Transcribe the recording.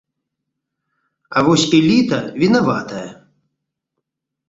А вось эліта вінаватая.